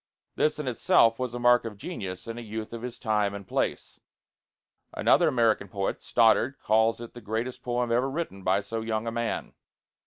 This in itself was a mark of genius in a youth of his time and place." Another American poet, Stoddard, calls it the greatest poem ever written by so young a man.